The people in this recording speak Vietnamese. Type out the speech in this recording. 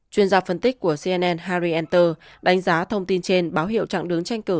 chuyên gia phân tích của cnn harry enter đánh giá thông tin trên báo hiệu trạng đứng tranh cử